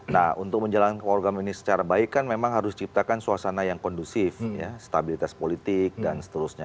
nah untuk menjalankan program ini secara baik kan memang harus diciptakan suasana yang kondusif stabilitas politik dan seterusnya